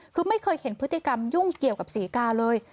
คือไม่เคยเห็นพฤติกรรมยุ่งเกี่ยวกับศรีกาเลย